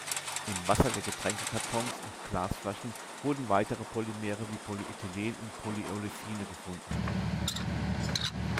Im Wasser der Getränkekartons und Glasflaschen wurden weitere Polymere wie Polyethylen und Polyolefine gefunden.